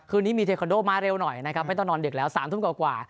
คืนนี้มีเทคอนโดมาเร็วหน่อยนะครับไม่ต้องนอนดึกแล้ว๓ทุ่มกว่า